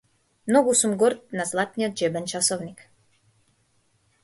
Многу сум горд на златниот џебен часовник.